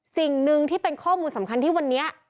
สิ่งหนึ่งที่เป็นข้อมูลสำคัญที่วันนี้